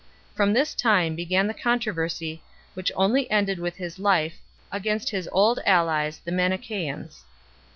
From this time began the controversy, which only ended with his life, against his old allies the Manichoeans.